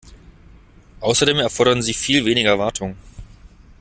Außerdem erfordern sie viel weniger Wartung.